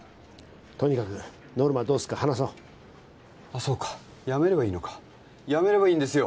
とにかくノルマどうするか話そうあっそうか辞めればいいのか辞めればいいんですよ